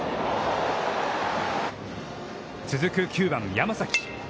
続く９番山崎。